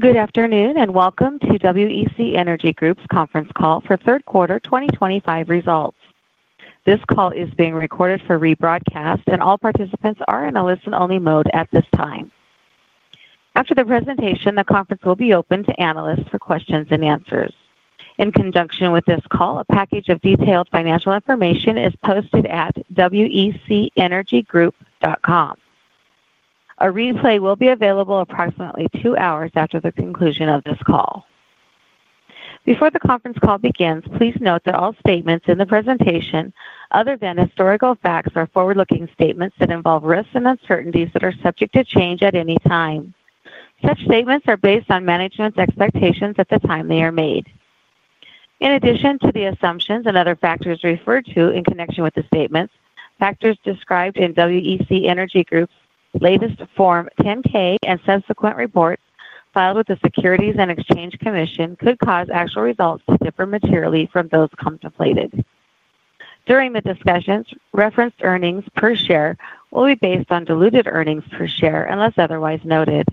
Good afternoon and welcome to WEC Energy Group's Conference Call for Third Quarter 2025 Results. This call is being recorded for rebroadcast, and all participants are in a listen-only mode at this time. After the presentation, the conference will be open to analysts for questions-and-answers. In conjunction with this call, a package of detailed financial information is posted at wecenergygroup.com. A replay will be available approximately two hours after the conclusion of this call. Before the conference call begins, please note that all statements in the presentation, other than historical facts, are forward-looking statements that involve risks and uncertainties that are subject to change at any time. Such statements are based on management's expectations at the time they are made. In addition to the assumptions and other factors referred to in connection with the statements, factors described in WEC Energy Group's latest Form 10-K and subsequent reports filed with the Securities and Exchange Commission could cause actual results to differ materially from those contemplated. During the discussions, referenced earnings per share will be based on diluted earnings per share unless otherwise noted.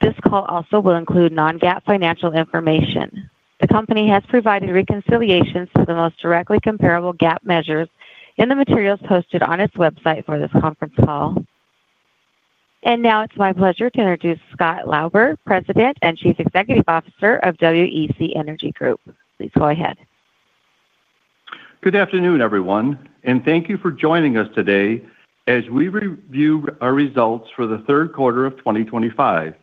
This call also will include non-GAAP financial information. The company has provided reconciliations to the most directly comparable GAAP measures in the materials posted on its website for this conference call. It is my pleasure to introduce Scott Lauber, President and Chief Executive Officer of WEC Energy Group. Please go ahead. Good afternoon, everyone, and thank you for joining us today as we review our results for the third quarter of 2025.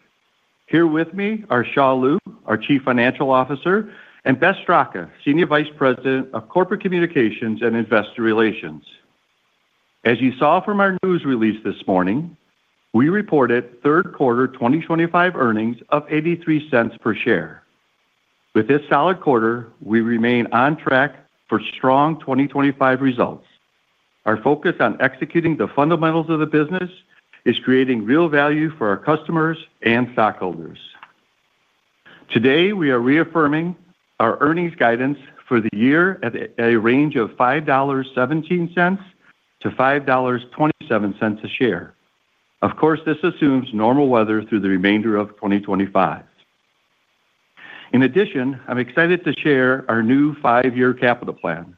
Here with me are Xia Liu, our Chief Financial Officer, and Beth Straka, Senior Vice President of Corporate Communications and Investor Relations. As you saw from our news release this morning, we reported third quarter 2025 earnings of $0.83 per share. With this solid quarter, we remain on track for strong 2025 results. Our focus on executing the fundamentals of the business is creating real value for our customers and stockholders. Today, we are reaffirming our earnings guidance for the year at a range of $5.17-$5.27 a share. Of course, this assumes normal weather through the remainder of 2025. In addition, I'm excited to share our new five-year capital plan.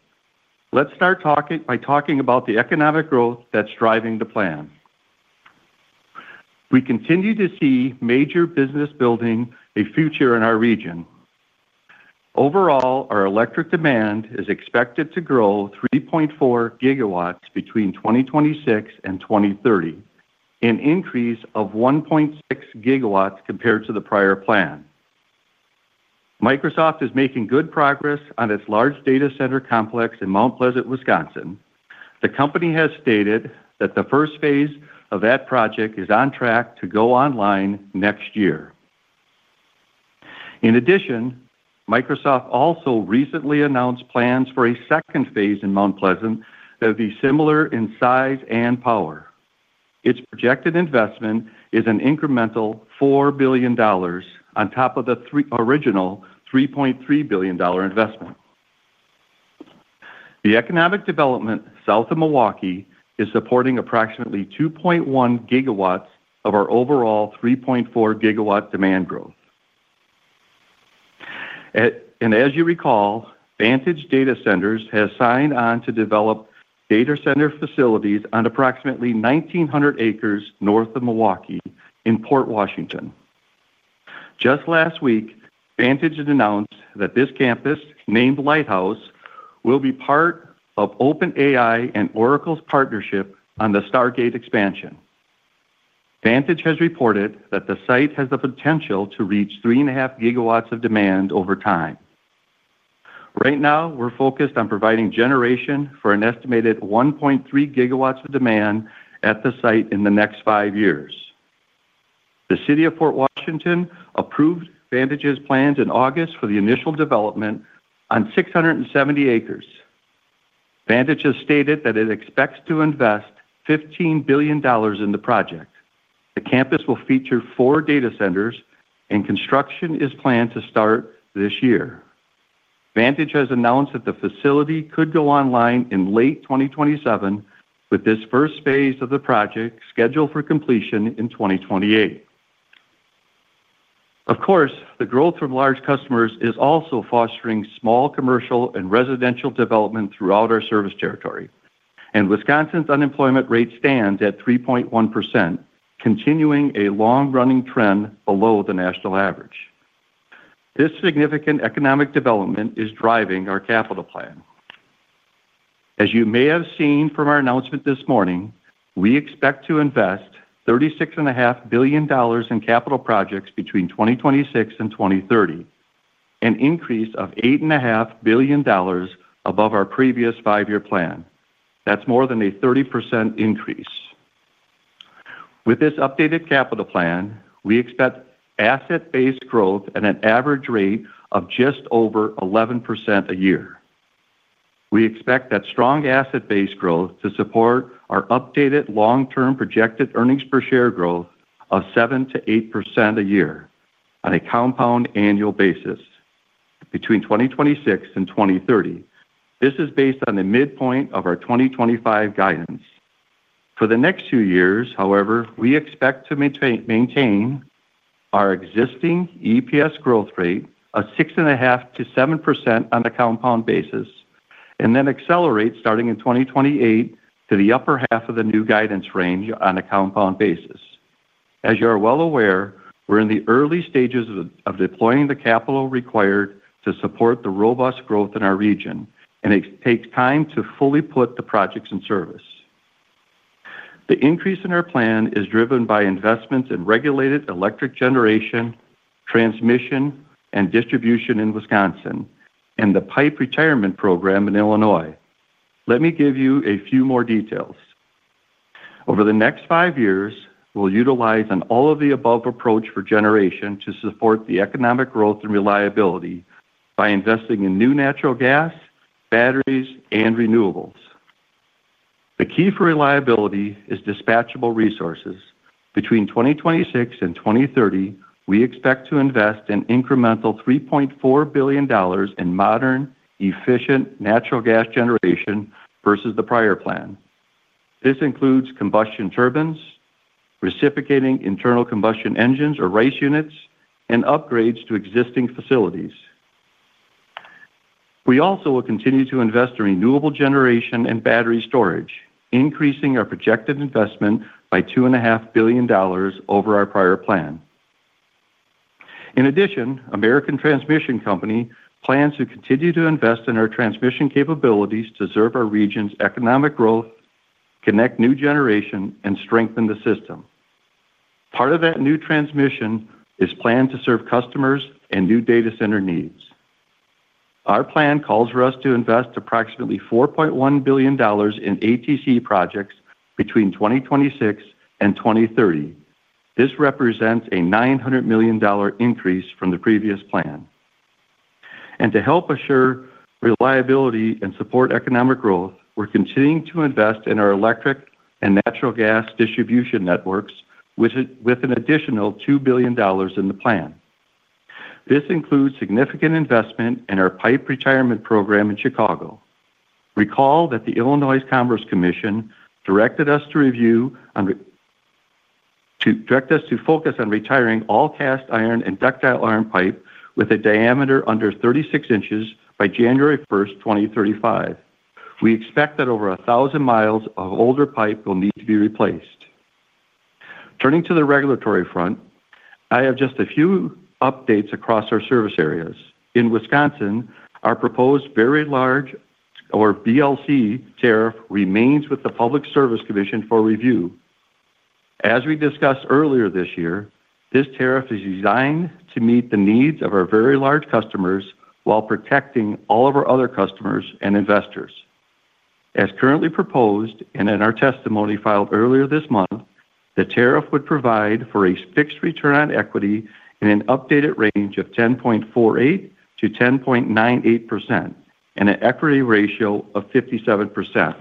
Let's start by talking about the economic growth that's driving the plan. We continue to see major business building a future in our region. Overall, our electric demand is expected to grow 3.4 GW between 2026 and 2030, an increase of 1.6 GW compared to the prior plan. Microsoft is making good progress on its large data center complex in Mount Pleasant, Wisconsin. The company has stated that the first phase of that project is on track to go online next year. In addition, Microsoft also recently announced plans for a second phase in Mount Pleasant that would be similar in size and power. Its projected investment is an incremental $4 billion on top of the original $3.3 billion investment. The economic development south of Milwaukee is supporting approximately 2.1 GW of our overall 3.4 GW demand growth. As you recall, Vantage Data Centers has signed on to develop data center facilities on approximately 1,900 acres north of Milwaukee in Port Washington. Just last week, Vantage announced that this campus, named Lighthouse, will be part of OpenAI and Oracle's partnership on the Stargate expansion. Vantage has reported that the site has the potential to reach 3.5 GW of demand over time. Right now, we're focused on providing generation for an estimated 1.3 GW of demand at the site in the next five years. The city of Port Washington approved Vantage's plans in August for the initial development on 670 acres. Vantage has stated that it expects to invest $15 billion in the project. The campus will feature four data centers, and construction is planned to start this year. Vantage has announced that the facility could go online in late 2027, with this first phase of the project scheduled for completion in 2028. The growth from large customers is also fostering small commercial and residential development throughout our service territory. Wisconsin's unemployment rate stands at 3.1%, continuing a long-running trend below the national average. This significant economic development is driving our capital plan. As you may have seen from our announcement this morning, we expect to invest $36.5 billion in capital projects between 2026 and 2030, an increase of $8.5 billion above our previous five-year plan. That's more than a 30% increase. With this updated capital plan, we expect asset-based growth at an average rate of just over 11% a year. We expect that strong asset-based growth to support our updated long-term projected earnings per share growth of 7% to 8% a year on a compound annual basis between 2026 and 2030. This is based on the midpoint of our 2025 guidance. For the next two years, however, we expect to maintain our existing EPS growth rate of 6.5% to 7% on a compound basis and then accelerate starting in 2028 to the upper half of the new guidance range on a compound basis. As you're well aware, we're in the early stages of deploying the capital required to support the robust growth in our region, and it takes time to fully put the projects in service. The increase in our plan is driven by investments in regulated electric generation, transmission, and distribution in Wisconsin, and the pipe retirement program in Illinois. Let me give you a few more details. Over the next five years, we'll utilize an all-of-the-above approach for generation to support the economic growth and reliability by investing in new natural gas, batteries, and renewables. The key for reliability is dispatchable resources. Between 2026 and 2030, we expect to invest an incremental $3.4 billion in modern, efficient natural gas generation versus the prior plan. This includes combustion turbines, reciprocating internal combustion engines or RACE units, and upgrades to existing facilities. We also will continue to invest in renewable generation and battery storage, increasing our projected investment by $2.5 billion over our prior plan. In addition, American Transmission Company plans to continue to invest in our transmission capabilities to serve our region's economic growth, connect new generation, and strengthen the system. Part of that new transmission is planned to serve customers and new data center needs. Our plan calls for us to invest approximately $4.1 billion in ATC projects between 2026 and 2030. This represents a $900 million increase from the previous plan. To help assure reliability and support economic growth, we're continuing to invest in our electric and natural gas distribution networks with an additional $2 billion in the plan. This includes significant investment in our pipe retirement program in Chicago. Recall that the Illinois Commerce Commission directed us to focus on retiring all cast iron and ductile iron pipe with a diameter under 36 in by January 1st, 2035. We expect that over 1,000 mi of older pipe will need to be replaced. Turning to the regulatory front, I have just a few updates across our service areas. In Wisconsin, our proposed Very Large, or VLC, tariff remains with the Public Service Commission for review. As we discussed earlier this year, this tariff is designed to meet the needs of our very large customers while protecting all of our other customers and investors. As currently proposed and in our testimony filed earlier this month, the tariff would provide for a fixed return on equity in an updated range of 10.48%-10.98% and an equity ratio of 57%.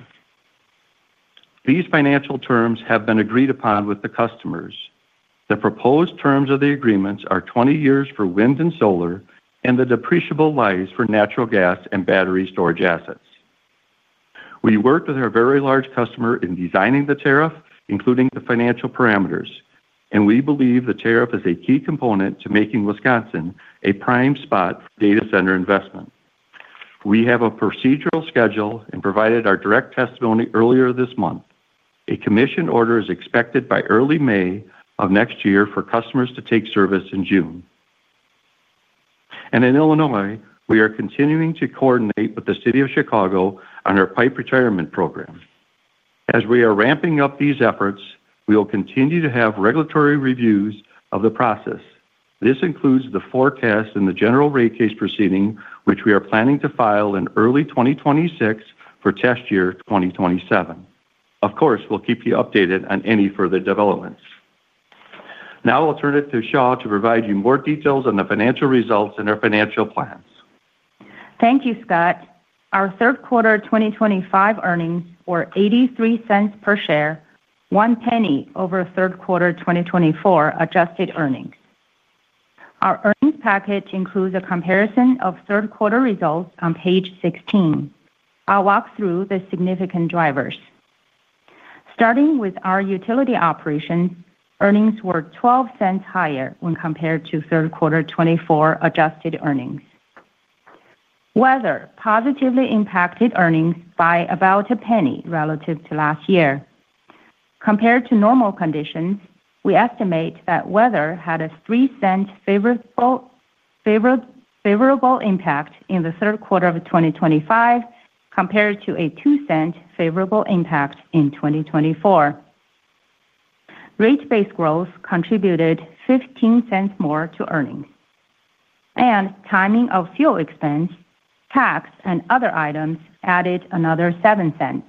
These financial terms have been agreed upon with the customers. The proposed terms of the agreements are 20 years for wind and solar, and the depreciable lives for natural gas and battery storage assets. We worked with our very large customer in designing the tariff, including the financial parameters, and we believe the tariff is a key component to making Wisconsin a prime spot for data center investment. We have a procedural schedule and provided our direct testimony earlier this month. A commission order is expected by early May of next year for customers to take service in June. In Illinois, we are continuing to coordinate with the city of Chicago on our pipe retirement program. As we are ramping up these efforts, we will continue to have regulatory reviews of the process. This includes the forecast and the general rate case proceeding, which we are planning to file in early 2026 for test year 2027. Of course, we'll keep you updated on any further developments. Now I'll turn it to Xia to provide you more details on the financial results and our financial plans. Thank you, Scott. Our third quarter 2025 earnings were $0.83 per share, one penny over third quarter 2024 adjusted earnings. Our earnings package includes a comparison of third quarter results on page 16. I'll walk through the significant drivers. Starting with our utility operations, earnings were $0.12 higher when compared to third quarter 2024 adjusted earnings. Weather positively impacted earnings by about a penny relative to last year. Compared to normal conditions, we estimate that weather had a $0.03 favorable impact in the third quarter of 2025 compared to a $0.02 favorable impact in 2024. Rate-based growth contributed $0.15 more to earnings, and timing of fuel expense, tax, and other items added another $0.07.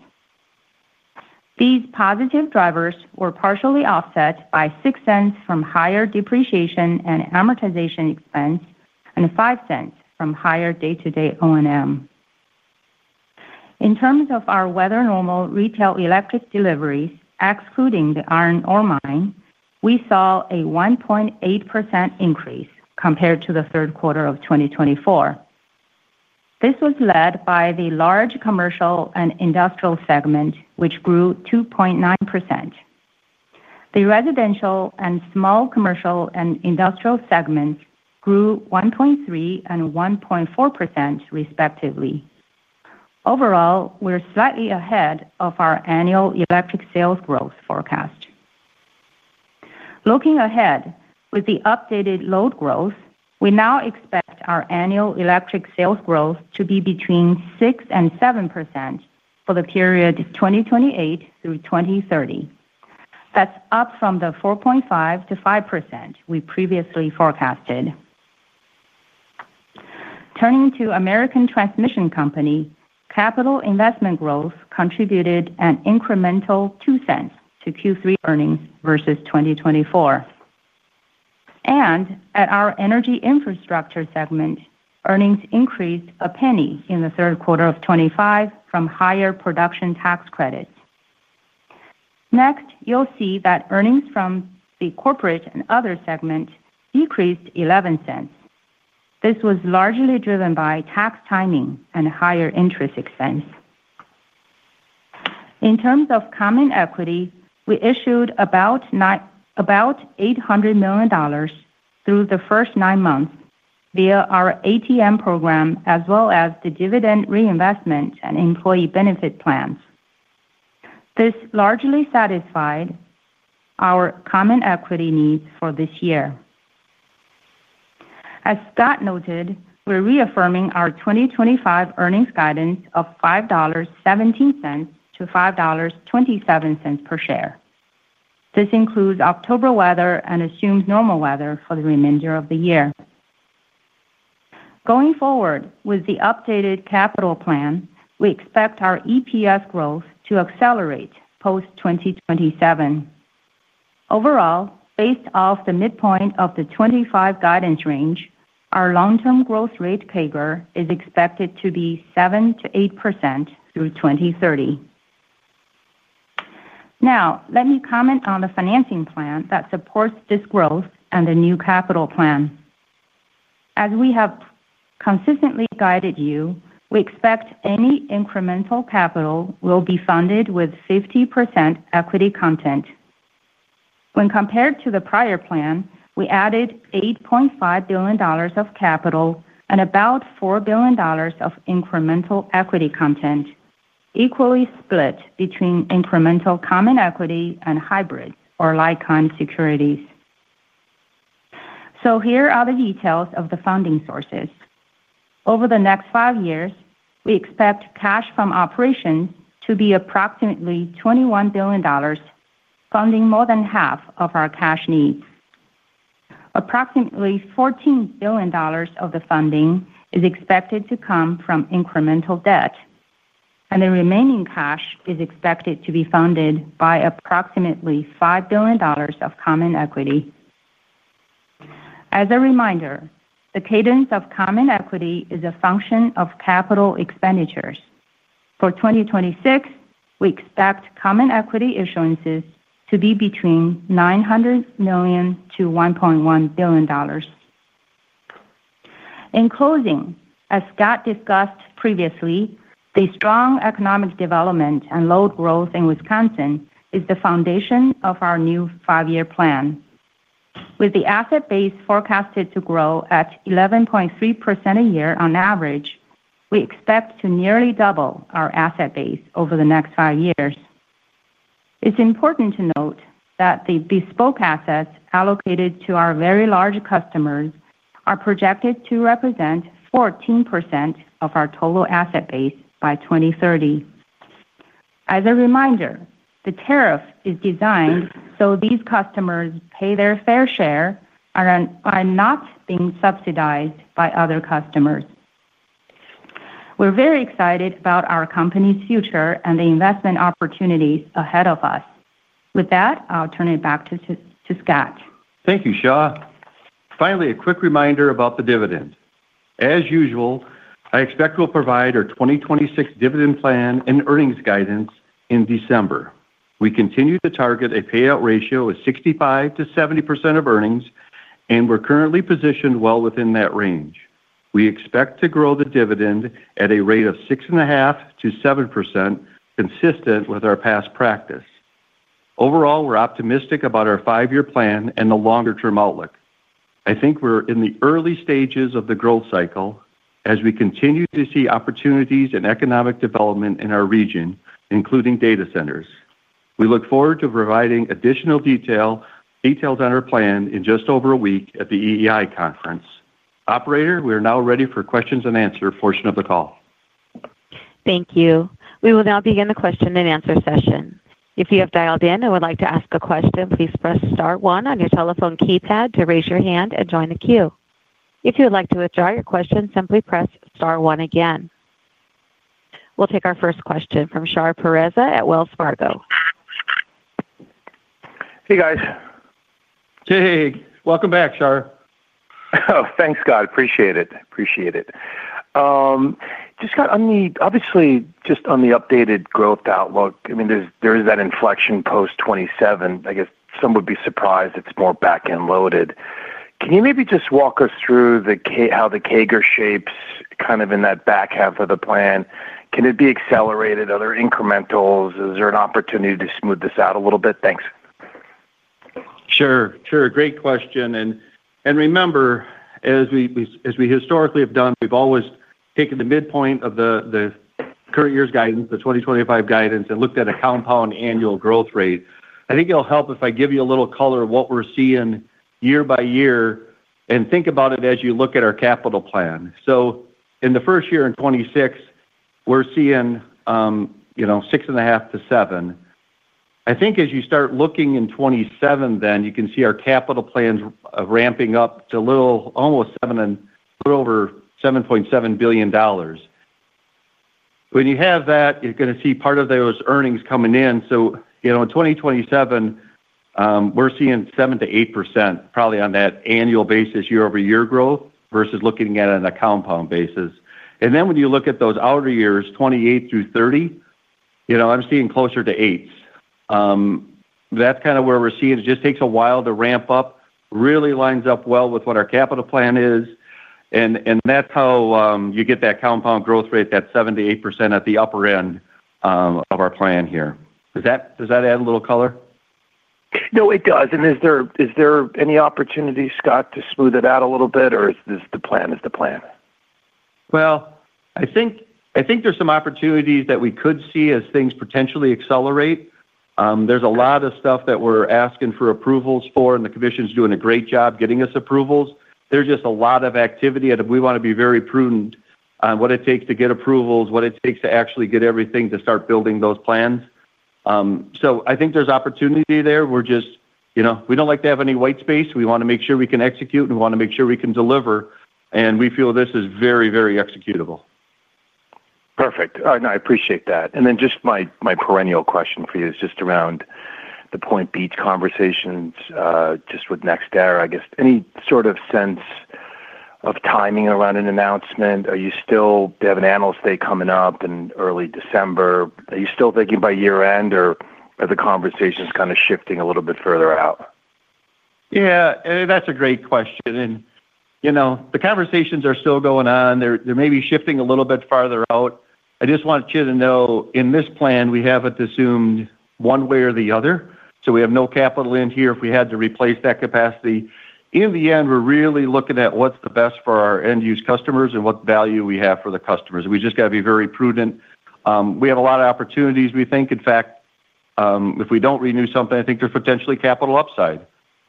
These positive drivers were partially offset by $0.06 from higher depreciation and amortization expense and $0.05 from higher day-to-day O&M. In terms of our weather-normal retail electric deliveries, excluding the iron ore mine, we saw a 1.8% increase compared to the third quarter of 2024. This was led by the large commercial and industrial segment, which grew 2.9%. The residential and small commercial and industrial segments grew 1.3% and 1.4%, respectively. Overall, we're slightly ahead of our annual electric sales growth forecast. Looking ahead with the updated load growth, we now expect our annual electric sales growth to be between 6% and 7% for the period 2028 through 2030. That's up from the 4.5% to 5% we previously forecasted. Turning to American Transmission Company, capital investment growth contributed an incremental $0.02 to Q3 earnings versus 2024. At our Energy Infrastructure segment, earnings increased a penny in the third quarter of 2025 from higher production tax credits. Next, you'll see that earnings from the corporate and other segments decreased $0.11. This was largely driven by tax timing and higher interest expense. In terms of common equity, we issued about $800 million through the first nine months via our ATM program, as well as the dividend reinvestment and employee benefit plans. This largely satisfied our common equity needs for this year. As Scott noted, we're reaffirming our 2025 earnings guidance of $5.17-$5.27 per share. This includes October weather and assumed normal weather for the remainder of the year. Going forward with the updated capital plan, we expect our EPS growth to accelerate post-2027. Overall, based off the midpoint of the 2025 guidance range, our long-term growth rate CAGR is expected to be 7% to 8% through 2030. Now, let me comment on the financing plan that supports this growth and the new capital plan. As we have consistently guided you, we expect any incremental capital will be funded with 50% equity content. When compared to the prior plan, we added $8.5 billion of capital and about $4 billion of incremental equity content, equally split between incremental common equity and hybrid or like-kind securities. Here are the details of the funding sources. Over the next five years, we expect cash from operations to be approximately $21 billion, funding more than half of our cash needs. Approximately $14 billion of the funding is expected to come from incremental debt, and the remaining cash is expected to be funded by approximately $5 billion of common equity. As a reminder, the cadence of common equity is a function of capital expenditures. For 2026, we expect common equity issuances to be between $900 million to $1.1 billion. In closing, as Scott discussed previously, the strong economic development and load growth in Wisconsin is the foundation of our new five-year plan. With the asset base forecasted to grow at 11.3% a year on average, we expect to nearly double our asset base over the next five years. It's important to note that the bespoke assets allocated to our very large customers are projected to represent 14% of our total asset base by 2030. As a reminder, the tariff is designed so these customers pay their fair share by not being subsidized by other customers. We're very excited about our company's future and the investment opportunities ahead of us. With that, I'll turn it back to Scott. Thank you, Xia. Finally, a quick reminder about the dividend. As usual, I expect we'll provide our 2026 dividend plan and earnings guidance in December. We continue to target a payout ratio of 65%-70% of earnings, and we're currently positioned well within that range. We expect to grow the dividend at a rate of 6.5%-7%, consistent with our past practice. Overall, we're optimistic about our five-year plan and the longer-term outlook. I think we're in the early stages of the growth cycle as we continue to see opportunities and economic development in our region, including data centers. We look forward to providing additional details on our plan in just over a week at the EEI Conference. Operator, we are now ready for the questions-and-answer portion of the call. Thank you. We will now begin the question-and-answer session. If you have dialed in and would like to ask a question, please press star one on your telephone keypad to raise your hand and join the queue. If you would like to withdraw your question, simply press star one again. We'll take our first question from Shahriar Pourreza at Wells Fargo. Hey, guys. Hey, hey, hey. Welcome back, Shahriar. Oh, thanks, Scott. Appreciate it. Just, Scott, on the obviously, just on the updated growth outlook, I mean, there is that inflection post 2027. I guess some would be surprised it's more back-end loaded. Can you maybe just walk us through how the CAGR shapes kind of in that back half of the plan? Can it be accelerated? Are there incrementals? Is there an opportunity to smooth this out a little bit? Thanks. Sure. Great question. Remember, as we historically have done, we've always taken the midpoint of the current year's guidance, the 2025 guidance, and looked at a compound annual growth rate. I think it'll help if I give you a little color of what we're seeing year by year and think about it as you look at our capital plan. In the first year in 2026, we're seeing 6.5%-7%. I think as you start looking in 2027, you can see our capital plans ramping up to a little almost $7 billion and a little over $7.7 billion. When you have that, you're going to see part of those earnings coming in. In 2027, we're seeing 7%-8% probably on that annual basis, year-over-year growth versus looking at a compound basis. When you look at those outer years, 2028 through 2030, I'm seeing closer to 8%. That's kind of where we're seeing. It just takes a while to ramp up. Really lines up well with what our capital plan is. That's how you get that compound growth rate, that 7%-8% at the upper end of our plan here. Does that add a little color? No, it does. Is there any opportunity, Scott, to smooth it out a little bit, or is the plan the plan? I think there's some opportunities that we could see as things potentially accelerate. There's a lot of stuff that we're asking for approvals for, and the commission's doing a great job getting us approvals. There's just a lot of activity, and we want to be very prudent on what it takes to get approvals, what it takes to actually get everything to start building those plans. I think there's opportunity there. We don't like to have any white space. We want to make sure we can execute, and we want to make sure we can deliver. We feel this is very, very executable. Perfect. All right. I appreciate that. Just my perennial question for you is just around the Point Beach conversations with NextEra, I guess. Any sort of sense of timing around an announcement? Do you have an Analyst Day coming up in early December? Are you still thinking by year-end, or are the conversations kind of shifting a little bit further out? That's a great question. The conversations are still going on. They're maybe shifting a little bit farther out. I just want you to know, in this plan, we have it assumed one way or the other. We have no capital in here if we had to replace that capacity. In the end, we're really looking at what's the best for our end-use customers and what value we have for the customers. We just have to be very prudent. We have a lot of opportunities. We think, in fact, if we don't renew something, there's potentially capital upside.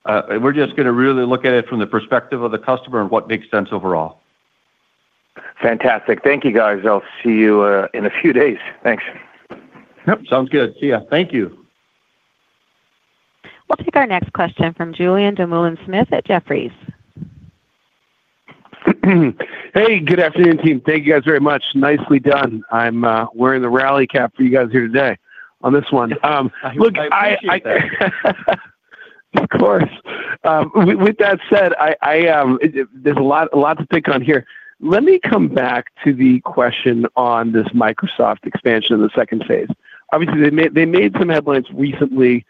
We're just going to really look at it from the perspective of the customer and what makes sense overall. Fantastic. Thank you, guys. I'll see you in a few days. Thanks. Yep. Sounds good. See you. Thank you. We'll take our next question from Julien Dumoulin-Smith at Jefferies. Hey, good afternoon, team. Thank you guys very much. Nicely done. I'm wearing the rally cap for you guys here today on this one. Of course. With that said, there's a lot to pick on here. Let me come back to the question on this Microsoft expansion in the second phase. Obviously, they made some headlines recently.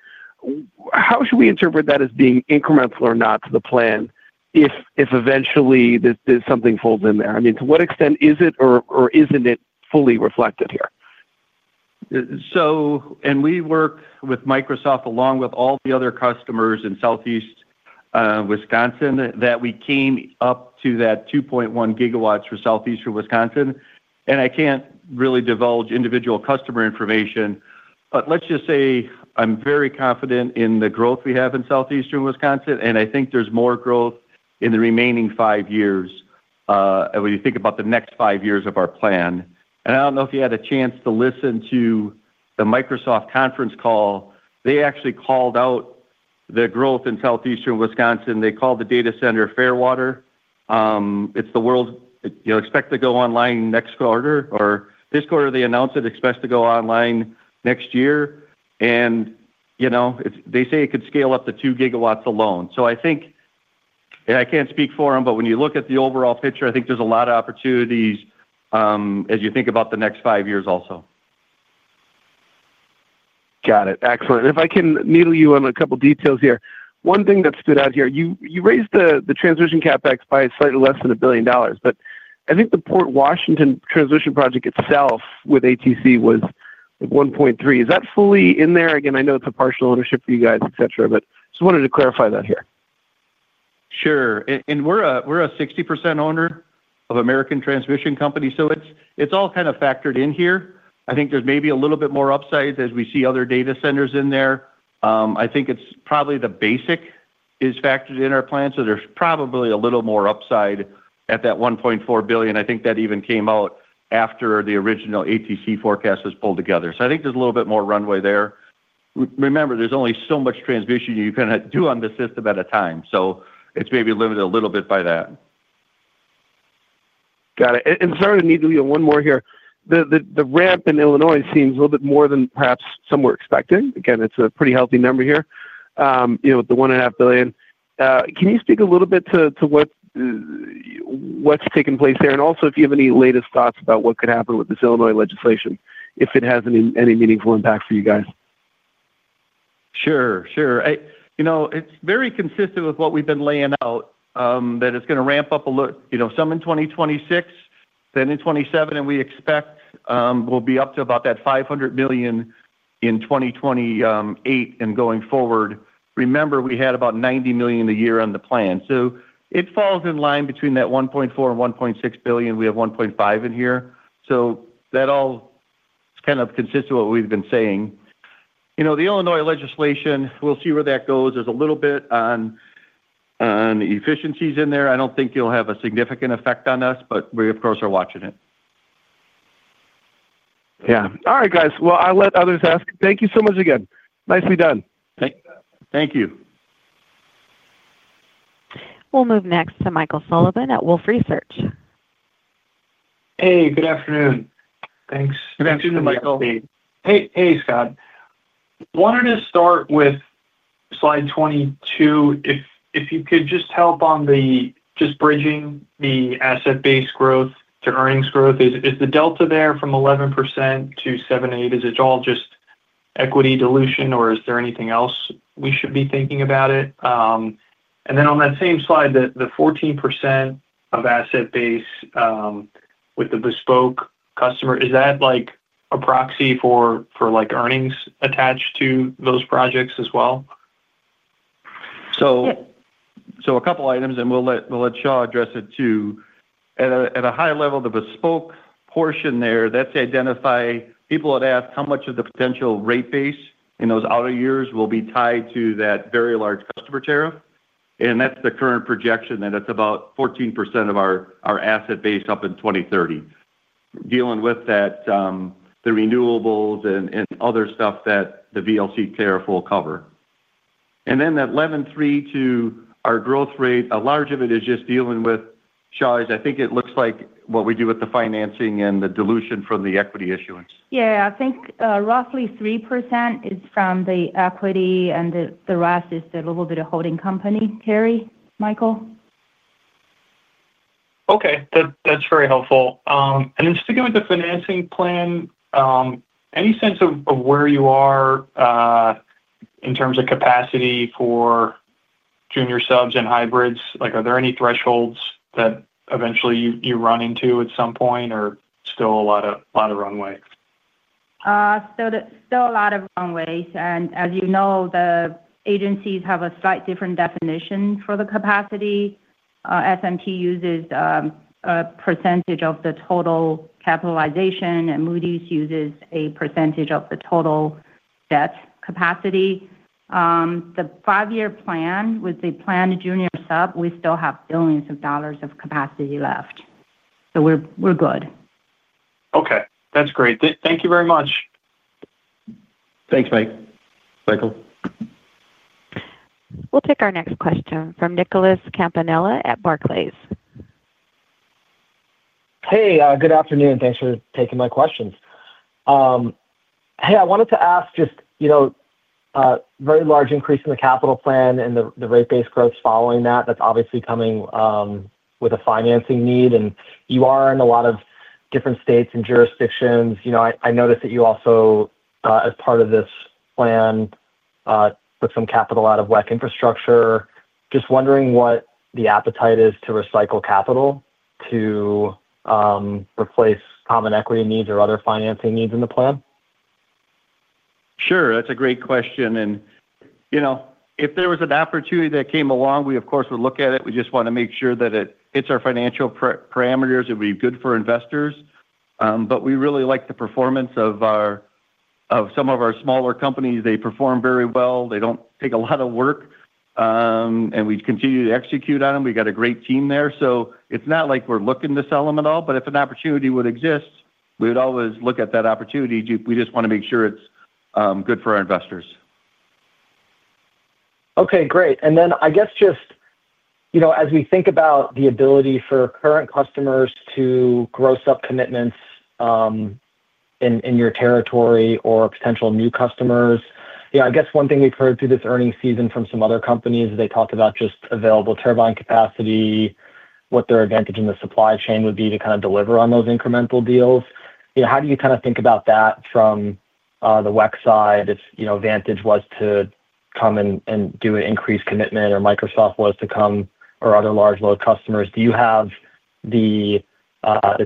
How should we interpret that as being incremental or not to the plan if eventually something folds in there? I mean, to what extent is it or isn't it fully reflected here? We work with Microsoft along with all the other customers in Southeast Wisconsin that we came up to that 2.1 GW for Southeastern Wisconsin. I can't really divulge individual customer information, but let's just say I'm very confident in the growth we have in Southeastern Wisconsin, and I think there's more growth in the remaining five years when you think about the next five years of our plan. I don't know if you had a chance to listen to the Microsoft conference call. They actually called out the growth in Southeastern Wisconsin. They called the data center Fairwater. It's the world. Expect to go online next quarter, or this quarter they announced it expects to go online next year. They say it could scale up to 2 GW alone. I can't speak for them, but when you look at the overall picture, I think there's a lot of opportunities as you think about the next five years also. Got it. Excellent. If I can needle you on a couple of details here. One thing that stood out here, you raised the transmission CapEx by slightly less than $1 billion, but I think the Port Washington transmission project itself with ATC was $1.3 billion. Is that fully in there? Again, I know it's a partial ownership for you guys, etc., but just wanted to clarify that here. Sure. We're a 60% owner of American Transmission Company, so it's all kind of factored in here. I think there's maybe a little bit more upside as we see other data centers in there. I think it's probably the basic is factored in our plan, so there's probably a little more upside at that $1.4 billion. I think that even came out after the original ATC forecast was pulled together. I think there's a little bit more runway there. Remember, there's only so much transmission you can do on the system at a time, so it's maybe limited a little bit by that. Got it. Sorry to needle you on one more here. The ramp in Illinois seems a little bit more than perhaps some were expecting. It's a pretty healthy number here, the $1.5 billion. Can you speak a little bit to what's taking place there? Also, if you have any latest thoughts about what could happen with this Illinois legislation, if it has any meaningful impact for you guys. Sure, sure. It's very consistent with what we've been laying out that it's going to ramp up a little, some in 2026, then in 2027, and we expect we'll be up to about that $500 million in 2028 and going forward. Remember, we had about $90 million a year on the plan, so it falls in line between that $1.4 billion and $1.6 billion. We have $1.5 billion in here. That all kind of consists of what we've been saying. The Illinois legislation, we'll see where that goes. There's a little bit on efficiencies in there. I don't think it'll have a significant effect on us, but we, of course, are watching it. All right, guys. I'll let others ask. Thank you so much again. Nicely done. Thank you. We'll move next to Michael Sullivan at Wolfe Research. Hey, good afternoon. Thanks. Good afternoon, Michael. Hey, Scott. Wanted to start with slide 22. If you could just help on the just bridging the asset-based growth to earnings growth, is the delta there from 11% to 7.8%? Is it all just equity dilution, or is there anything else we should be thinking about? On that same slide, the 14% of asset-based with the bespoke customer, is that a proxy for earnings attached to those projects as well? A couple of items, and we'll let Xia address it too. At a high level, the bespoke portion there, that's identifying people that ask how much of the potential rate base in those outer years will be tied to that Very Large Customer tariff. That's the current projection, and that's about 14% of our asset base up in 2030. Dealing with that, the renewables and other stuff that the VLC tariff will cover. That 11.3% to our growth rate, a large part of it is just dealing with, Xia, I think it looks like what we do with the financing and the dilution from the equity issuance. Yeah, I think roughly 3% is from the equity, and the rest is a little bit of holding company. Terry, Michael? Okay. That's very helpful. Sticking with the financing plan, any sense of where you are in terms of capacity for junior subs and hybrids? Are there any thresholds that eventually you run into at some point, or still a lot of runway? still a lot of runway. As you know, the agencies have a slightly different definition for the capacity. S&P uses a percentage of the total capitalization, and Moody's uses a percentage of the total debt capacity. The five-year plan, with the planned junior sub, we still have billions of dollars of capacity left. We're good. Okay, that's great. Thank you very much. Thanks, Michael. We'll take our next question from Nicholas Campanella at Barclays. Hey, good afternoon. Thanks for taking my questions. I wanted to ask just a very large increase in the capital plan and the rate-based growth following that. That's obviously coming with a financing need. You are in a lot of different states and jurisdictions. I noticed that you also, as part of this plan, took some capital out of WEC Infrastructure. Just wondering what the appetite is to recycle capital to replace common equity needs or other financing needs in the plan. Sure. That's a great question. If there was an opportunity that came along, we, of course, would look at it. We just want to make sure that it hits our financial parameters. It would be good for investors. We really like the performance of some of our smaller companies. They perform very well. They don't take a lot of work, and we continue to execute on them. We've got a great team there. It's not like we're looking to sell them at all, but if an opportunity would exist, we would always look at that opportunity. We just want to make sure it's good for our investors. Okay, great. As we think about the ability for current customers to gross up commitments in your territory or potential new customers, one thing we've heard through this earnings season from some other companies is they talked about just available turbine capacity, what their advantage in the supply chain would be to deliver on those incremental deals. How do you think about that from the WEC side? If Vantage was to come and do an increased commitment, or Microsoft was to come, or other large load customers, do you have the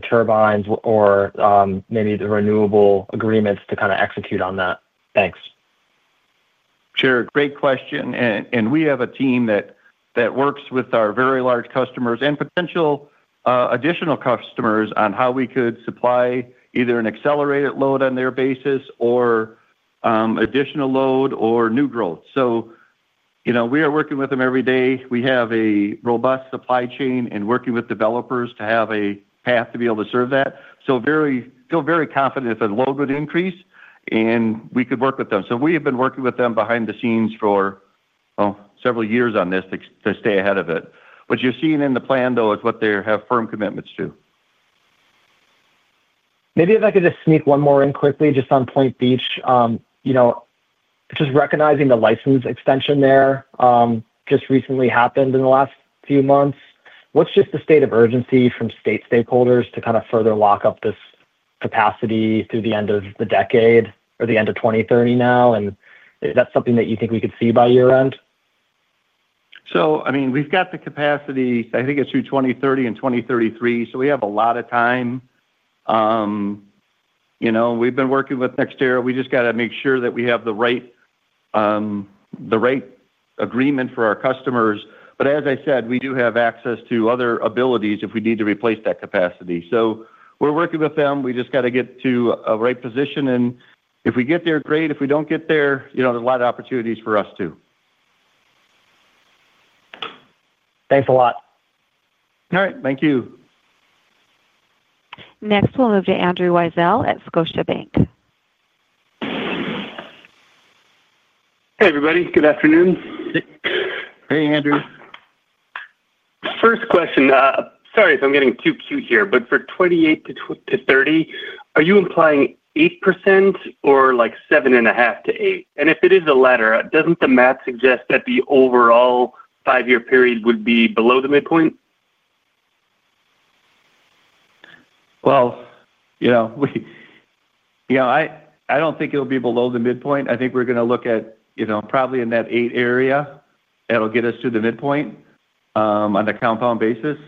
turbines or maybe the renewable agreements to execute on that? Thanks. Great question. We have a team that works with our very large customers and potential additional customers on how we could supply either an accelerated load on their basis or additional load or new growth. We are working with them every day. We have a robust supply chain and are working with developers to have a path to be able to serve that. I feel very confident if the load would increase, we could work with them. We have been working with them behind the scenes for several years on this to stay ahead of it. What you're seeing in the plan, though, is what they have firm commitments to. Maybe if I could just sneak one more in quickly, just on Point Beach. Just recognizing the license extension there just recently happened in the last few months. What's just the state of urgency from state stakeholders to kind of further lock up this capacity through the end of the decade or the end of 2030 now? Is that something that you think we could see by year-end? We have the capacity. I think it's through 2030 and 2033, so we have a lot of time. We've been working with NextEra. We just have to make sure that we have the right agreement for our customers. As I said, we do have access to other abilities if we need to replace that capacity. We're working with them. We just have to get to a right position. If we get there, great. If we don't get there, there's a lot of opportunities for us too. Thanks a lot. All right. Thank you. Next, we'll move to Andrew Weisel at Scotiabank. Hey, everybody. Good afternoon. Hey, Andrew. First question. Sorry if I'm getting too cute here, but for 2028 to 2030, are you implying 8% or like 7.5%-8%? If it is the latter, doesn't the math suggest that the overall five-year period would be below the midpoint? I don't think it'll be below the midpoint. I think we're going to look at probably in that 8% area. That'll get us to the midpoint on a compound basis.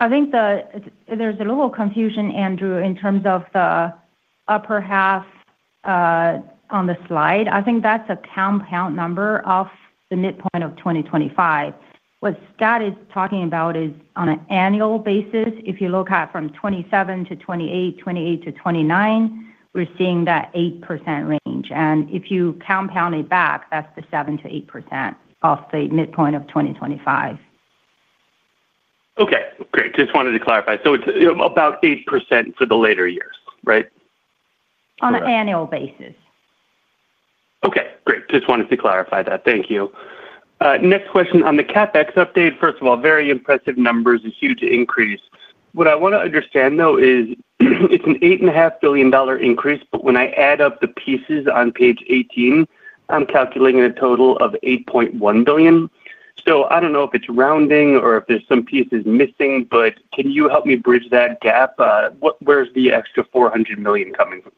I think there's a little confusion, Andrew, in terms of the upper half on the slide. I think that's a compound number off the midpoint of 2025. What Scott is talking about is on an annual basis, if you look at from 2027 to 2028, 2028 to 2029, we're seeing that 8% range. If you compound it back, that's the 7%-8% off the midpoint of 2025. Okay. Great. Just wanted to clarify, it's about 8% for the later years, right? On an annual basis. Okay. Great. Just wanted to clarify that. Thank you. Next question. On the CapEx update, first of all, very impressive numbers, a huge increase. What I want to understand, though, is it's an $8.5 billion increase, but when I add up the pieces on page 18, I'm calculating a total of $8.1 billion. I don't know if it's rounding or if there's some pieces missing, but can you help me bridge that gap? Where's the extra $400 million coming from?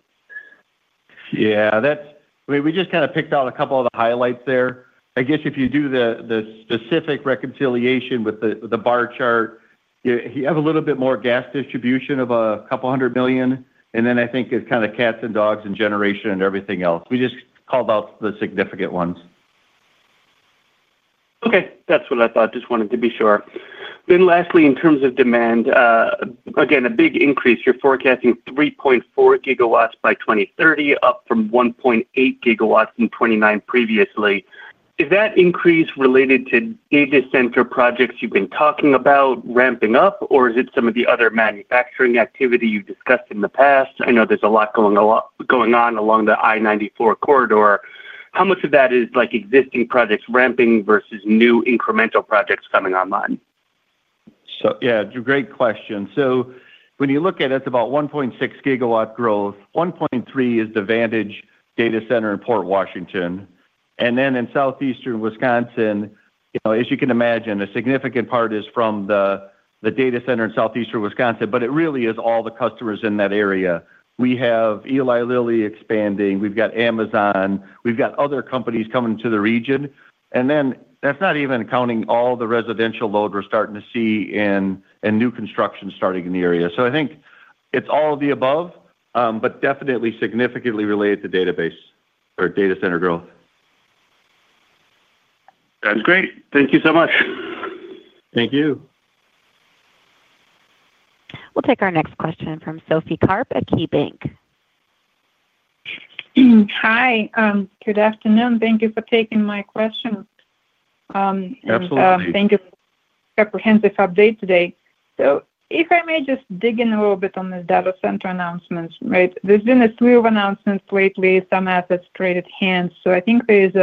Yeah. I mean, we just kind of picked out a couple of the highlights there. I guess if you do the specific reconciliation with the bar chart, you have a little bit more gas distribution of a couple hundred million. I think it's kind of cats and dogs in generation and everything else. We just called out the significant ones. Okay. That's what I thought. Just wanted to be sure. Lastly, in terms of demand, again, a big increase. You're forecasting 3.4 GW by 2030, up from 1.8 GW in 2029 previously. Is that increase related to data center projects you've been talking about ramping up, or is it some of the other manufacturing activity you discussed in the past? I know there's a lot going on along the I-94 corridor. How much of that is existing projects ramping versus new incremental projects coming online? Yeah. Great question. When you look at it, it's about 1.6 GW growth. 1.3 is the Vantage Data Centers project in Port Washington. In Southeastern Wisconsin, as you can imagine, a significant part is from the data center in Southeastern Wisconsin, but it really is all the customers in that area. We have Eli Lilly expanding. We've got Amazon. We've got other companies coming to the region. That's not even counting all the residential load we're starting to see and new construction starting in the area. I think it's all of the above, but definitely significantly related to data center growth. That's great. Thank you so much. Thank you. We'll take our next question from Sophie Karp at KeyBanc. Hi. Good afternoon. Thank you for taking my question. Absolutely. Thank you for the comprehensive update today. If I may just dig in a little bit on the data center announcements, right? There's been a slew of announcements lately. Some assets traded hands. I think there's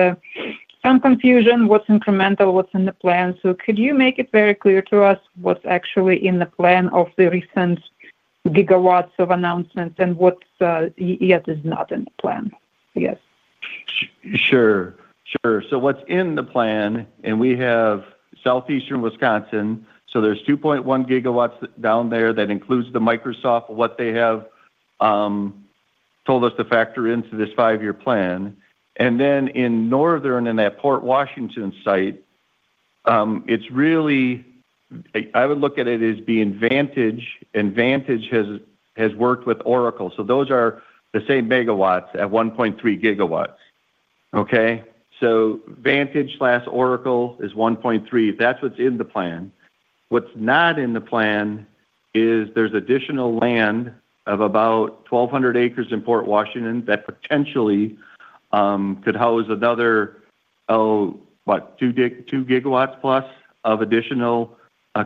some confusion what's incremental, what's in the plan. Could you make it very clear to us what's actually in the plan of the recent gigawatts of announcements and what yet is not in the plan? Yes. Sure. What's in the plan, and we have Southeastern Wisconsin. There's 2.1 GW down there that includes the Microsoft, what they have told us to factor into this five-year plan. In Northern, in that Port Washington site, I would look at it as being Vantage, and Vantage has worked with Oracle. Those are the same megawatts at 1.3 GW. Vantage/Oracle is 1.3 GW. That's what's in the plan. What's not in the plan is there's additional land of about 1,200 acres in Port Washington that potentially could house another, what, 2 GW plus of additional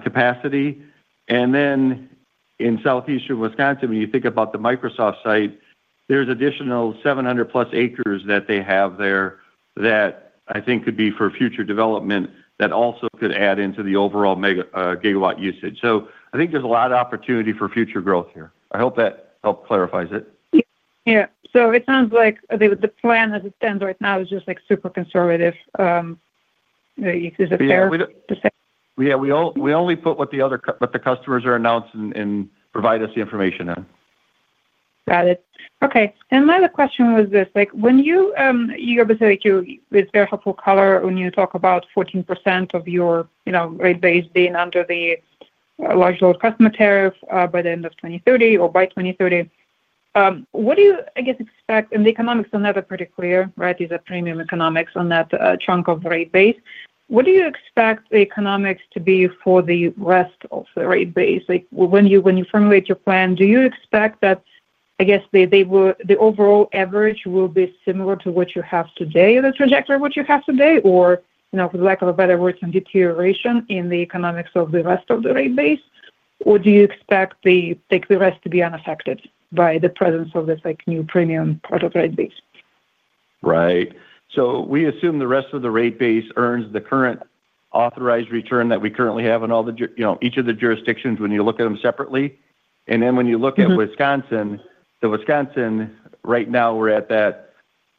capacity. In Southeastern Wisconsin, when you think about the Microsoft site, there's additional 700+ acres that they have there that I think could be for future development that also could add into the overall gigawatt usage. I think there's a lot of opportunity for future growth here. I hope that helps clarify it. Yeah. It sounds like the plan as it stands right now is just super conservative. Is it fair? Yeah, we only put what the customers are announcing and provide us the information on. Got it. Okay. My other question was this. When you specifically, it's very helpful color when you talk about 14% of your rate base being under the Very Large Customer tariff by the end of 2030 or by 2030. What do you expect? The economics on that are pretty clear, right? These are premium economics on that chunk of rate base. What do you expect the economics to be for the rest of the rate base? When you formulate your plan, do you expect that the overall average will be similar to what you have today or the trajectory of what you have today, or for the lack of a better word, some deterioration in the economics of the rest of the rate base? Do you expect the rest to be unaffected by the presence of this new premium part of rate base? Right. We assume the rest of the rate base earns the current authorized return that we currently have in each of the jurisdictions when you look at them separately. When you look at Wisconsin, right now, we're at that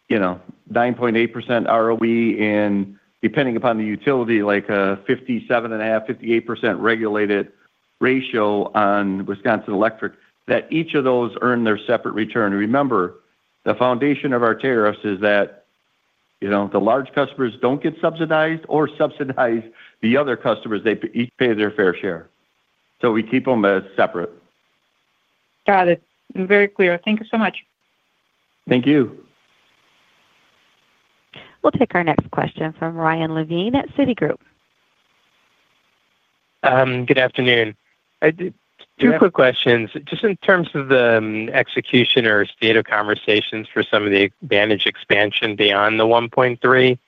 9.8% ROE and depending upon the utility, like a 57.5%, 58% regulated ratio on Wisconsin Electric, each of those earn their separate return. Remember, the foundation of our tariffs is that the large customers don't get subsidized or subsidize the other customers. They each pay their fair share. We keep them as separate. Got it. Very clear. Thank you so much. Thank you. We'll take our next question from Ryan Levine at Citigroup. Good afternoon. Two quick questions. Just in terms of the execution or state of conversations for some of the Vantage expansion beyond the 1.3,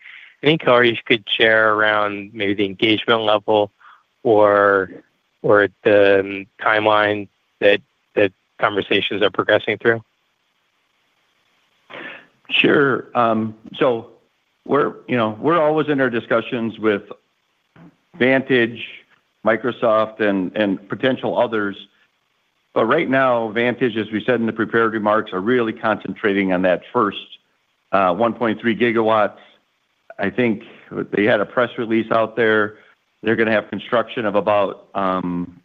any color you could share around maybe the engagement level or the timeline that conversations are progressing through? We're always in our discussions with Vantage, Microsoft, and potential others. Right now, Vantage, as we said in the preparatory marks, are really concentrating on that first 1.3 GW. I think they had a press release out there. They're going to have construction of about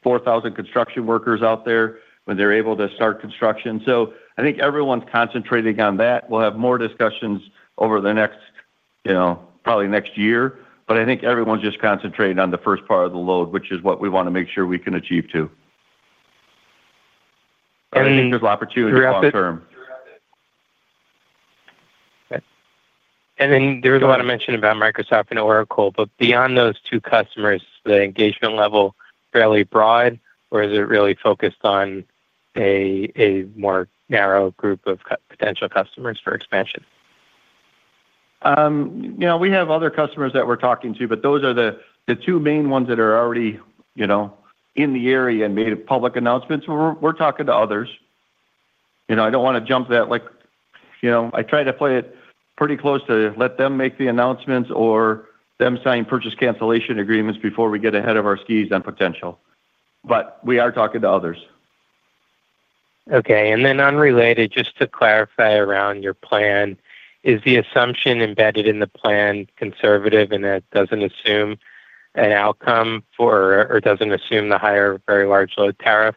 4,000 construction workers out there when they're able to start construction. I think everyone's concentrating on that. We'll have more discussions over the next, probably next year. I think everyone's just concentrating on the first part of the load, which is what we want to make sure we can achieve too. I think there's opportunity long term. There was a lot of mention about Microsoft and Oracle, but beyond those two customers, is the engagement level fairly broad, or is it really focused on a more narrow group of potential customers for expansion? We have other customers that we're talking to, but those are the two main ones that are already in the area and made public announcements. We're talking to others. I don't want to jump that. I try to play it pretty close to let them make the announcements or them sign purchase cancellation agreements before we get ahead of our skis on potential. We are talking to others. Okay. Just to clarify around your plan, is the assumption embedded in the plan conservative in that it doesn't assume an outcome or doesn't assume the higher Very Large Customer tariff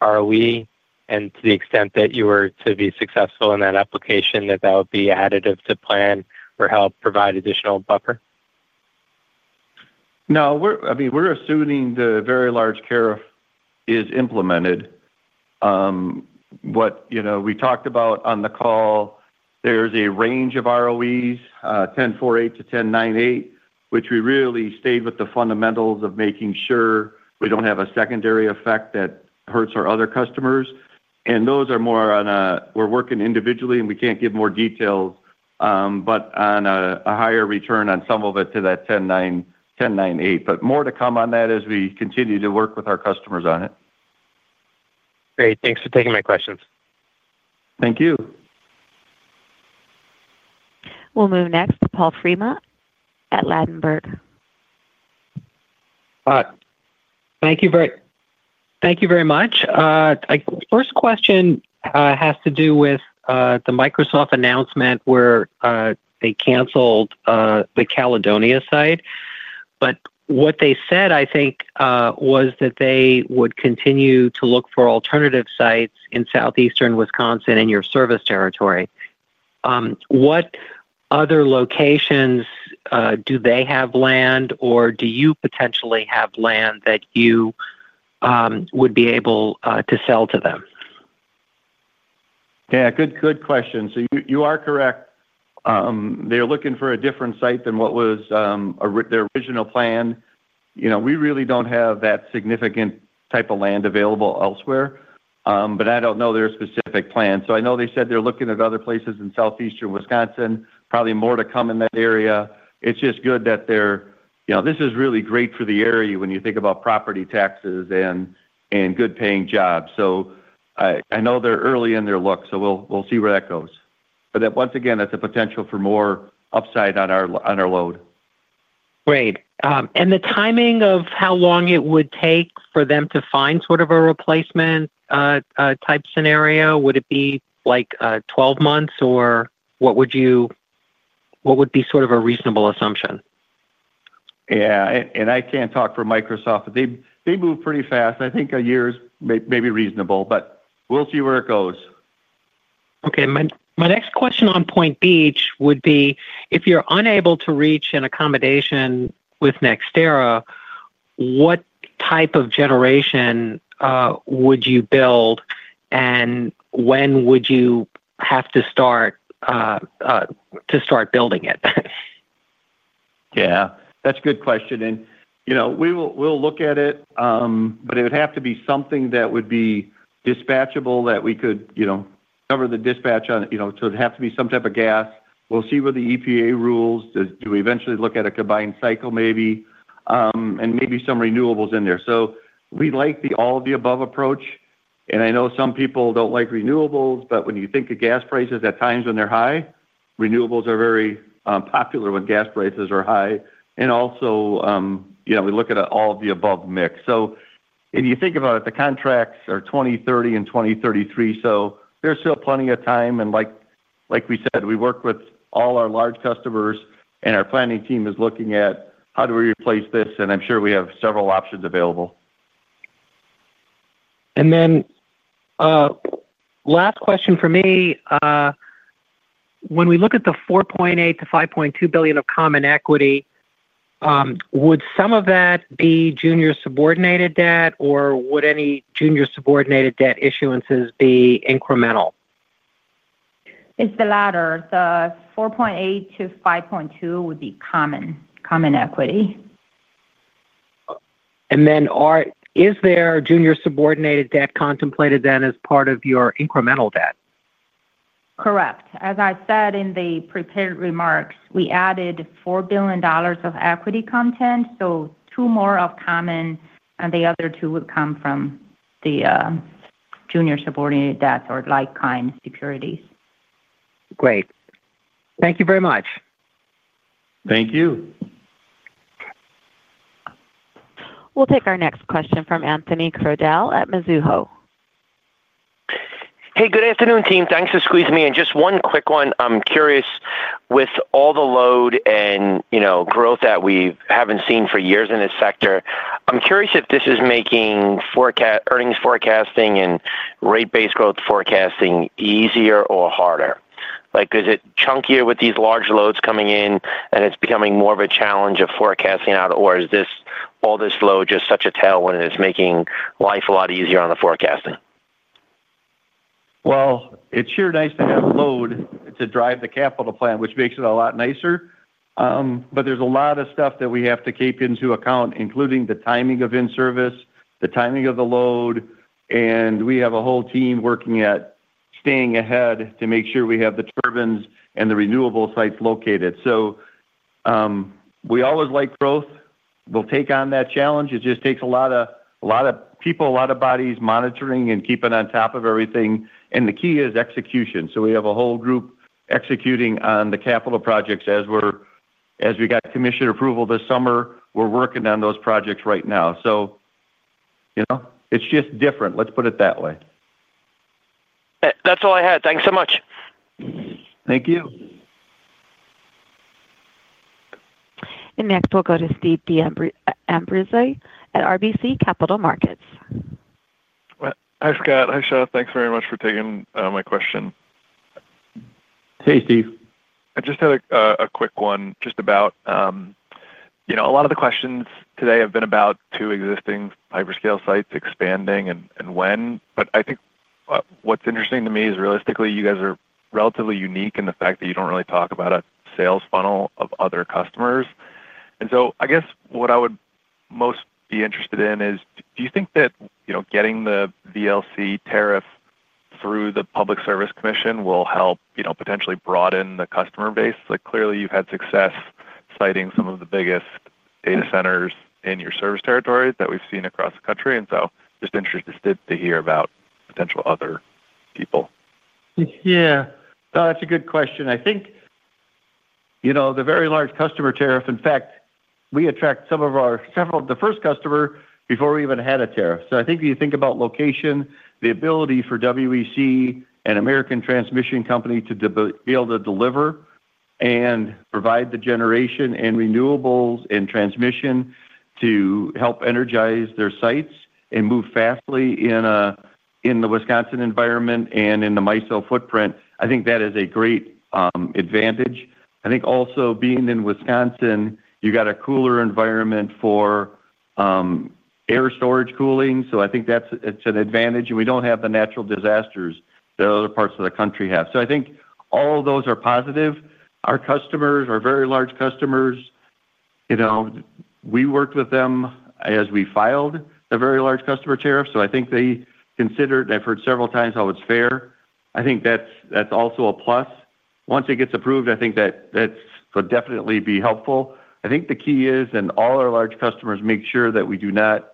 ROE? To the extent that you were to be successful in that application, that would be additive to plan or help provide additional buffer? No. I mean, we're assuming the Very Large Customer tariff is implemented. What we talked about on the call, there's a range of ROEs, 10.48%-10.98%, which we really stayed with the fundamentals of making sure we don't have a secondary effect that hurts our other customers. Those are more on a we're working individually, and we can't give more details, but on a higher return on some of it to that 10.98%. More to come on that as we continue to work with our customers on it. Great. Thanks for taking my questions. Thank you. We'll move next to Paul Fremont at Ladenburg. Thank you. Thank you very much. The first question has to do with the Microsoft announcement where they canceled the Caledonia site. What they said, I think, was that they would continue to look for alternative sites in Southeastern Wisconsin in your service territory. What other locations do they have land, or do you potentially have land that you would be able to sell to them? Good question. You are correct. They're looking for a different site than what was their original plan. We really don't have that significant type of land available elsewhere. I don't know their specific plan. I know they said they're looking at other places in Southeastern Wisconsin, probably more to come in that area. It's just good that this is really great for the area when you think about property taxes and good-paying jobs. I know they're early in their look, so we'll see where that goes. Once again, that's a potential for more upside on our load. Great. The timing of how long it would take for them to find sort of a replacement-type scenario, would it be like 12 months, or what would be sort of a reasonable assumption? I can't talk for Microsoft. They move pretty fast. I think a year is maybe reasonable, but we'll see where it goes. Okay. My next question on Point Beach would be, if you're unable to reach an accommodation with NextEra, what type of generation would you build, and when would you have to start building it? That's a good question. We'll look at it, but it would have to be something that would be dispatchable that we could cover the dispatch on it. It'd have to be some type of gas. We'll see where the EPA rules. Do we eventually look at a combined cycle maybe, and maybe some renewables in there? We like all of the above approach. I know some people don't like renewables, but when you think of gas prices at times when they're high, renewables are very popular when gas prices are high. We look at all of the above mix. If you think about it, the contracts are 2030 and 2033, so there's still plenty of time. Like we said, we work with all our large customers, and our planning team is looking at how do we replace this. I'm sure we have several options available. Last question for me. When we look at the $4.8 billion-$5.2 billion of common equity, would some of that be junior subordinated debt, or would any junior subordinated debt issuances be incremental? It's the latter. The $4.8 billion-$5.2 billion would be common equity. Is there junior subordinated debt contemplated then as part of your incremental debt? Correct. As I said in the prepared remarks, we added $4 billion of equity content. Two more of common, and the other two would come from the junior subordinated debts or like-kind securities. Great, thank you very much. Thank you. We'll take our next question from Anthony Crowdell at Mizuho. Hey, good afternoon, team. Thanks for squeezing me in. Just one quick one. I'm curious, with all the load and growth that we haven't seen for years in this sector, I'm curious if this is making earnings forecasting and rate-based growth forecasting easier or harder. Is it chunkier with these large loads coming in, and it's becoming more of a challenge of forecasting out, or is all this load just such a tell when it is making life a lot easier on the forecasting? It is sure nice to have load to drive the capital plan, which makes it a lot nicer. There is a lot of stuff that we have to keep into account, including the timing of in-service, the timing of the load. We have a whole team working at staying ahead to make sure we have the turbines and the renewable sites located. We always like growth. We will take on that challenge. It just takes a lot of people, a lot of bodies monitoring and keeping on top of everything. The key is execution. We have a whole group executing on the capital projects as we got commission approval this summer. We are working on those projects right now. It is just different. Let's put it that way. That's all I had. Thanks so much. Thank you. Next, we'll go to Steve D'Ambrisi at RBC Capital Markets. Hi, Scott. Hi, Xia. Thanks very much for taking my question. Hey, Steve. I just had a quick one about a lot of the questions today being about two existing hyperscale sites expanding and when. What's interesting to me is, realistically, you guys are relatively unique in the fact that you don't really talk about a sales funnel of other customers. I guess what I would most be interested in is, do you think that getting the VLC tariff through the Public Service Commission will help potentially broaden the customer base? Clearly, you've had success siting some of the biggest data centers in your service territory that we've seen across the country. I'm just interested to hear about potential other people. Yeah. That's a good question. I think the Very Large Customer (VLC) tariff, in fact, we attract some of our several the first customer before we even had a tariff. I think when you think about location, the ability for WEC and American Transmission Company to be able to deliver and provide the generation and renewables and transmission to help energize their sites and move fastly in the Wisconsin environment and in the MISO footprint, I think that is a great advantage. I think also being in Wisconsin, you got a cooler environment for air storage cooling. I think that's an advantage. We don't have the natural disasters that other parts of the country have. I think all of those are positive. Our customers are very large customers. We worked with them as we filed the Very Large Customer tariff. I think they considered and I've heard several times how it's fair. I think that's also a plus. Once it gets approved, I think that that's going to definitely be helpful. I think the key is, and all our large customers make sure that we do not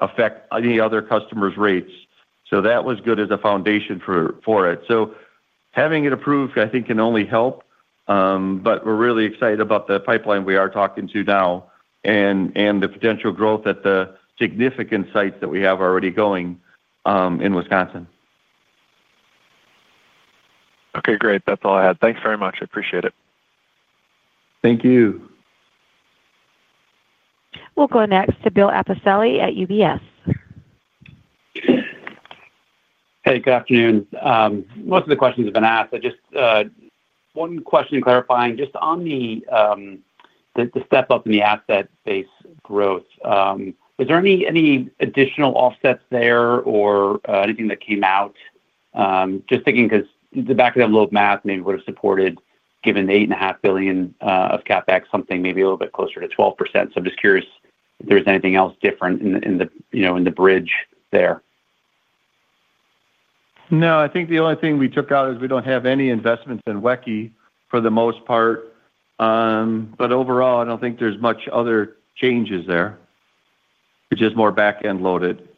affect any other customers' rates. That was good as a foundation for it. Having it approved, I think, can only help. We're really excited about the pipeline we are talking to now and the potential growth at the significant sites that we have already going in Wisconsin. Okay. Great. That's all I had. Thanks very much. I appreciate it. Thank you. We'll go next to Bill Appicelli at UBS. Hey, good afternoon. Most of the questions have been asked. Just one question clarifying. Just on the step-up in the asset-based growth, is there any additional offsets there or anything that came out? Just thinking because the back of that load math maybe would have supported, given the $8.5 billion of CapEx, something maybe a little bit closer to 12%. I'm just curious if there's anything else different in the bridge there. No. I think the only thing we took out is we don't have any investments in WECE for the most part. Overall, I don't think there's much other changes there. It's just more back-end loaded.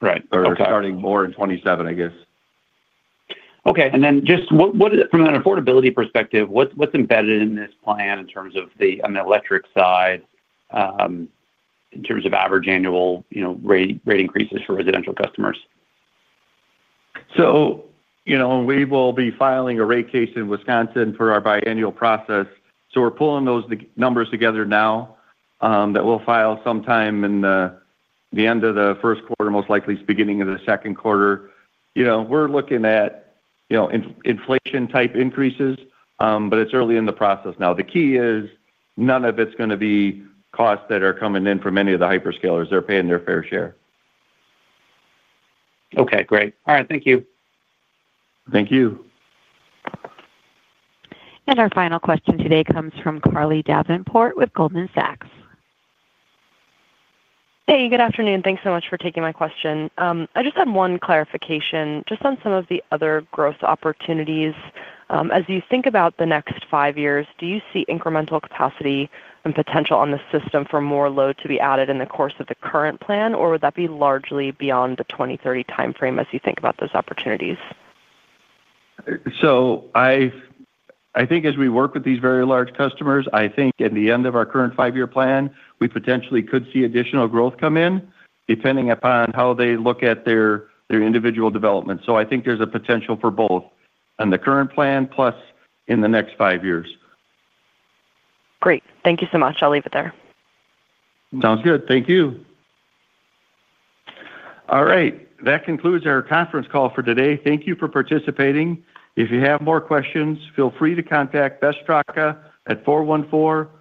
Right. Okay. Starting more in 2027, I guess. Okay. From an affordability perspective, what's embedded in this plan in terms of the electric side, in terms of average annual rate increases for residential customers? We will be filing a rate case in Wisconsin for our biannual process. We're pulling those numbers together now that we'll file sometime at the end of the first quarter, most likely beginning of the second quarter. We're looking at inflation-type increases, but it's early in the process now. The key is none of it's going to be costs that are coming in from any of the hyperscalers. They're paying their fair share. Okay. Great. All right. Thank you. Thank you. Our final question today comes from Carly Davenport with Goldman Sachs. Hey, good afternoon. Thanks so much for taking my question. I just had one clarification just on some of the other growth opportunities. As you think about the next five years, do you see incremental capacity and potential on the system for more load to be added in the course of the current plan, or would that be largely beyond the 2030 timeframe as you think about those opportunities? I think as we work with these very large customers, I think at the end of our current five-year plan, we potentially could see additional growth come in depending upon how they look at their individual development. I think there's a potential for both on the current plan plus in the next five years. Great. Thank you so much. I'll leave it there. Sounds good. Thank you. All right. That concludes our conference call for today. Thank you for participating. If you have more questions, feel free to contact Beth Straka at 414.